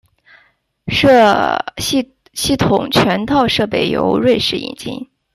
系统全套设备由瑞士引进。